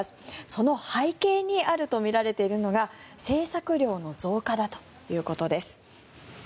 その背景にあるとみられているのが制作量の増加だということです。